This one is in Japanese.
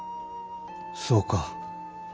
そうか。